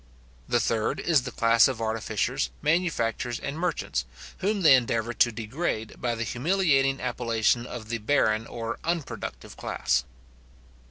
The third is the class of artificers, manufacturers, and merchants, whom they endeavour to degrade by the humiliating appellation of the barren or unproductive class.